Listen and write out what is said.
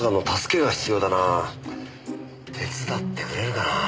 手伝ってくれるかなあ？